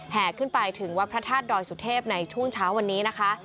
ขึ้นไปถึงวัดพระธาตุดอยสุเทพในช่วงเช้าวันนี้นะคะ